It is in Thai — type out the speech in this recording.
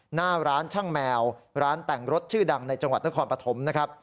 หน้าร้านช่างแมวร้านแต่งรถชื่อดังในจังหวัดนครปฐมนะครับ